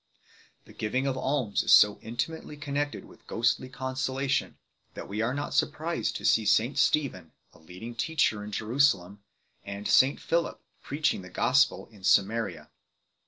The giving of alms is so intimately connected with ghostly consolation that we are not sur prised to see St Stephen a leading teacher in Jerusalem, and St Philip preaching the gospel in Samaria.